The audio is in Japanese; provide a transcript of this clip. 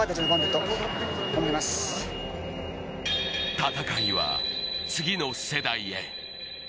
戦いは次の世代へ。